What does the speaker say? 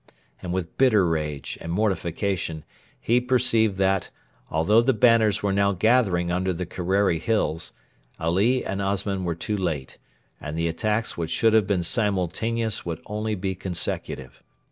And with bitter rage and mortification he perceived that, although the banners were now gathering under the Kerreri Hills, Ali and Osman were too late, and the attacks which should have been simultaneous would only be consecutive.